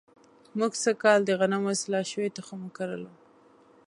موږ سږ کال د غنمو اصلاح شوی تخم وکرلو.